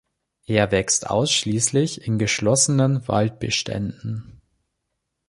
Er wächst ausschließlich in geschlossenen Waldbeständen.